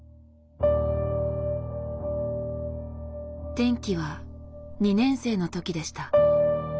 転機は２年生の時でした。